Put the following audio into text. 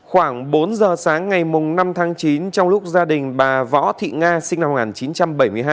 khoảng bốn giờ sáng ngày năm tháng chín trong lúc gia đình bà võ thị nga sinh năm một nghìn chín trăm bảy mươi hai